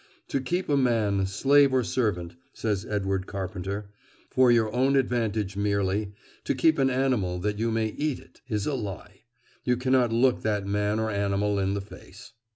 "To keep a man, slave or servant," says Edward Carpenter, "for your own advantage merely, to keep an animal that you may eat it, is a lie; you cannot look that man or animal in the face."